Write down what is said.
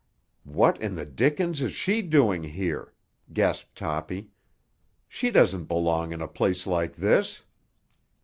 "What in the dickens is she doing here?" gasped Toppy. "She doesn't belong in a place like this."